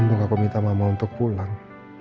aku minta mama untuk pulang